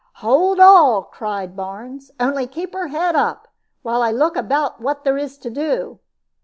"Hold all!" cried Barnes; "only keep her head up, while I look about what there is to do."